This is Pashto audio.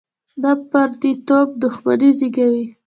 دا پرديتوب دښمني زېږوي.